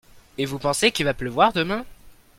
Et vous pensez qu'il va pleuvoir demain ?